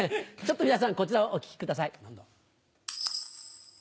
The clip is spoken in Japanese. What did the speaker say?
ちょっと皆さん、こちらをお聞きください。